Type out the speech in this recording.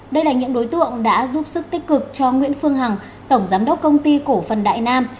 đây là những đối tượng đã giúp sức tích cực cho nguyễn phương hằng tổng giám đốc công ty cổ phần đại nam